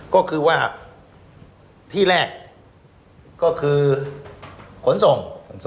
ก็คือว่าที่แรกก็คือขนส่ง